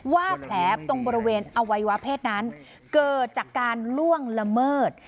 ว่าแผลตรงบริเวณอวัยวะเพศนั้นเกิดจากการล่วงละเมิด